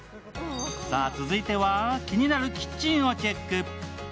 さぁ、続いては気になるキッチンをチェック。